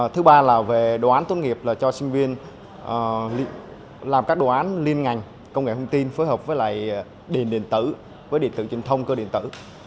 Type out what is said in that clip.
thứ ba là về đoán tốt nghiệp là cho sinh viên làm các đoán liên ngành công nghệ thông tin phối hợp với lại điện điện tử với điện tử truyền thông cơ điện tử